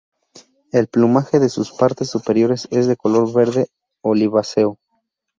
El plumaje de sus partes superiores es de color verde oliváceo.